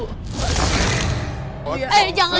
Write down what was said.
eh jangan ya boh jangan dibuka